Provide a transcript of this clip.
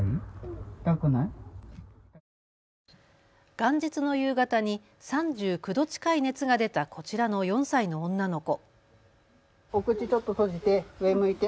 元日の夕方に３９度近い熱が出たこちらの４歳の女の子。